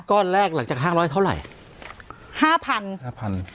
ก้อนแรกหลังจากห้าร้อยเท่าไหร่ห้าพันห้าพัน